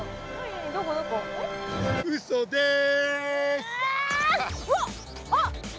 うっそです！